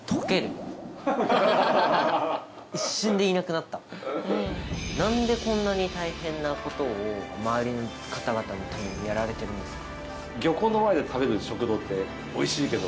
なんでこんなに大変なことを周りの方々のためにやられてるんですか？